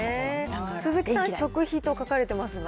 鈴木さん、食費と書かれてますが。